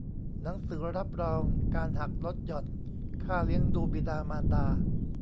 หนังสือรับรองการหักลดหย่อนค่าเลี้ยงดูบิดามารดา